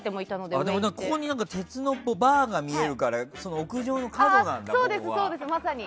でも、ここに鉄のバーが見えるからそうです、まさに！